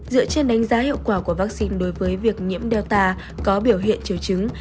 dựa trên đánh giá hiệu quả của vaccine đối với việc nhiễm delta có biểu hiện triều chứng